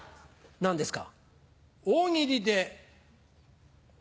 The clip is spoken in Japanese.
何ですか？